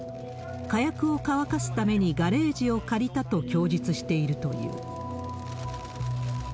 火薬を乾かすためにガレージを借りたと供述しているという。